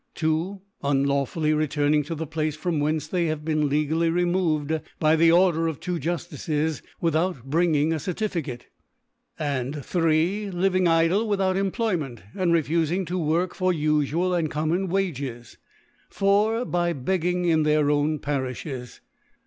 2. Unlawfully returning to the Place from whehce they have been le ^ gaily removed by the Order of two Jut tices, without bringing a Certificate, (^c. 3* Living idle without Employment, and refufing to work for ufual and common Wages, 4. By begging in their own Pa« rifhes.